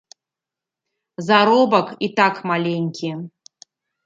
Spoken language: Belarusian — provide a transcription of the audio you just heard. Заробак і так маленькі.